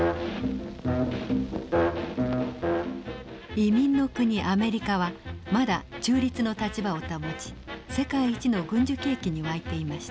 移民の国アメリカはまだ中立の立場を保ち世界一の軍需景気に沸いていました。